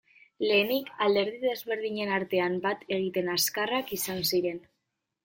Lehenik, alderdi desberdinen artean bat egite azkarrak izan ziren.